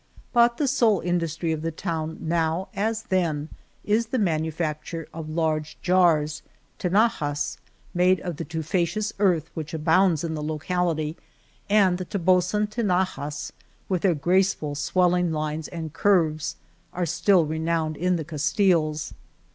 But the sole industry of the town now as then is the manufacture of large jars, tinajas, made of the tufous earth which abounds in the locality and the Tobosan tina jas with their graceful swelling lines and curves are still renowned in the Castiles.